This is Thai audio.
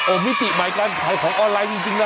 โอ้มิติแบบกันถ่ายของออนไลน์จริงน่ะ